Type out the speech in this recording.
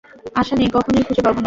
আশা নেই, কখনোই খুঁজে পাব না।